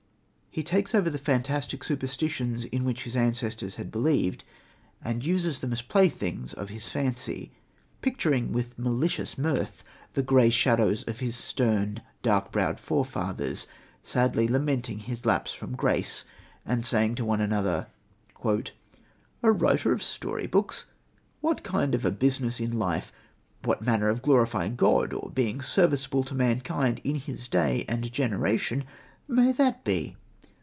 He takes over the fantastic superstitions in which his ancestors had believed, and uses them as the playthings of his fancy, picturing with malicious mirth the grey shadows of his stern, dark browed forefathers sadly lamenting his lapse from grace and saying one to the other: "A writer of story books! What kind of a business in life, what manner of glorifying God, or being serviceable to mankind in his day and generation may that be?